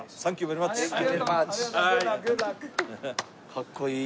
かっこいい！